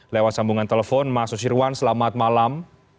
lewat sambungan telepon mas susirwan selamat malam